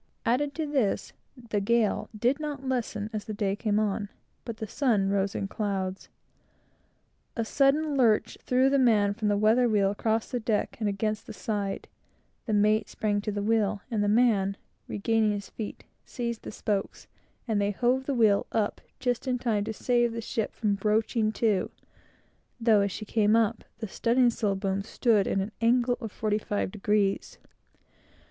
Add to this, the gale did not lessen as the day came on, but the sun rose in clouds. A sudden lurch threw the man from the weather wheel across the deck and against the side. The mate sprang to the wheel, and the man, regaining his feet, seized the spokes, and they hove the wheel up just in time to save her from broaching to; though nearly half the studding sail went under water; and as she came to, the boom stood up at an angle of forty five degrees.